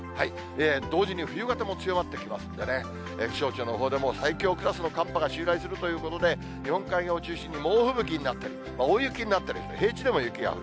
同時に冬型も強まってきますんでね、気象庁のほうでも最強クラスの寒波が襲来するということで、日本海側を中心に猛吹雪になってる、大雪になってる、平地でも雪が降る。